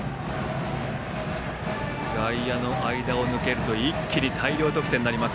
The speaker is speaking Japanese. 外野の間を抜けると一気に大量得点になります